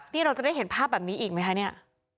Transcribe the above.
นี่เราจะได้เห็นภาพแบบนี้อีกไหมคะเนี่ย